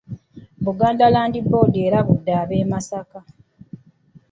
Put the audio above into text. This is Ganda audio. Buganda Land Board erabudde ab'e Masaka.